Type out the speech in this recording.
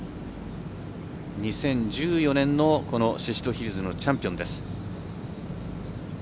２０１４年の宍戸ヒルズのチャンピオンです。